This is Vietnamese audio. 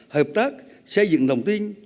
hợp tác xây dựng đồng tin